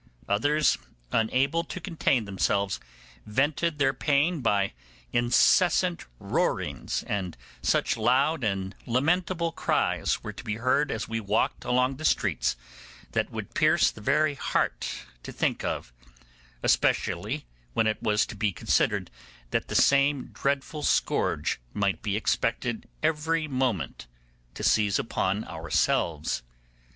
Others, unable to contain themselves, vented their pain by incessant roarings, and such loud and lamentable cries were to be heard as we walked along the streets that would pierce the very heart to think of, especially when it was to be considered that the same dreadful scourge might be expected every moment to seize upon ourselves.